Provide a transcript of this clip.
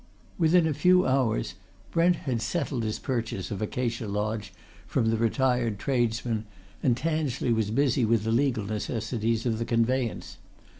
Within a few hours Brent had settled his purchase of Acacia Lodge from the retired tradesman and Tansley was busy with the legal necessities of the conveyance.